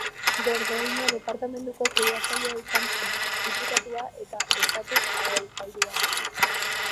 Dordoina departamenduko kudeatzailea izan zen, diputatua eta estatu-aholkularia.